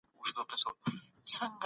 د ملي شتمنيو ساتنه د هر افغان دنده ده.